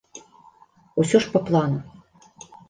Усё ж па плану.